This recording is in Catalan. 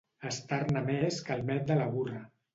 Estar-ne més que el Met de la burra.